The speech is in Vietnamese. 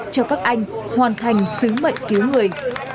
cho các anh hoàn thành sứ mệnh cứu người